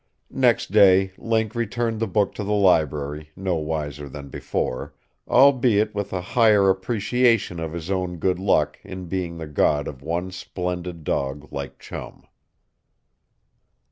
Next day Link returned the book to the library, no wiser than before, albeit with a higher appreciation of his own good luck in being the god of one splendid dog like Chum.